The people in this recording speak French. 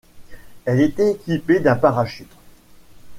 Elle était équipée d'un parachute.